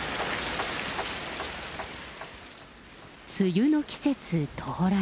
梅雨の季節到来。